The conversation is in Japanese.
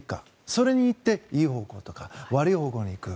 それによっていい方向とか悪い方向に行く。